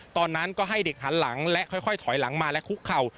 ตอนนั้นก็ให้เด็กหันหลังและค่อยถอยหลังมาและคุกเข่า